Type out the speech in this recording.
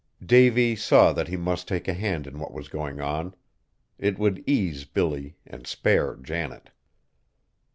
Davy saw that he must take a hand in what was going on. It would ease Billy and spare Janet.